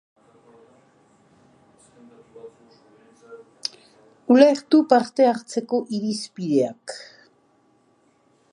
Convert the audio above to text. Urtebete lehenago, herria erasotu eta erretzen saiatu zen.